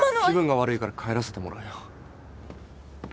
気分が悪いから帰らせてもらうよ。